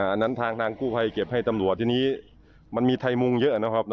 อันนั้นทางกู้ภัยเก็บให้ตำรวจทีนี้มันมีไทยมุงเยอะนะครับ